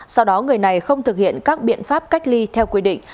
sau đó người này không thực hiện các biện pháp cách ly theo quy định